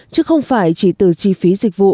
chứ không phải chỉ từ chi phí dịch vụ